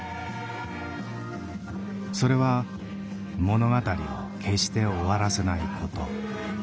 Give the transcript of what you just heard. それは物語を決して終わらせないこと。